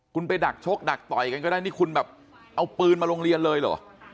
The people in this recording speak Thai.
คุณไปดักชกดักต่อยกันก็ได้นี่คุณแบบเอาปืนมาโรงเรียนเลยเหรอ